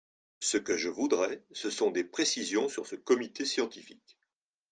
Ce que je voudrais, ce sont des précisions sur ce comité scientifique.